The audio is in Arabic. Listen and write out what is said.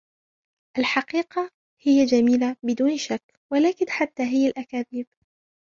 الحقيقة هي جميلة ، بدون شك ، ولكن حتى هي الأكاذيب.